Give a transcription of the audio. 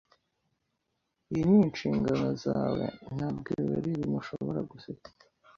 Iyi ni inshingano zawe. Ntabwo ari ibintu ushobora gusetsa.